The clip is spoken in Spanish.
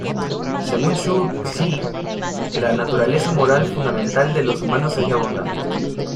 Según Zhu Xi, la naturaleza moral fundamental de los humanos es la bondad.